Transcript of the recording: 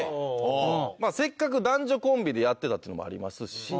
せっかく男女コンビでやってたっていうのもありますし。